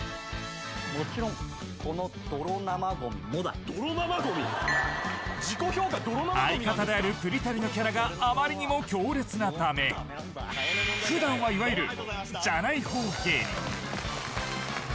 もちろん、この泥生ごみもだ！相方である栗谷のキャラがあまりにも強烈なため普段は、いわゆるじゃないほう芸人。